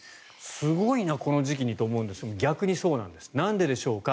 すごいな、この時期にと思いますが逆にそうなんです。なんででしょうか。